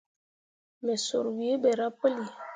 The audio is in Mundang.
Me sur wǝǝ ɓerah puli.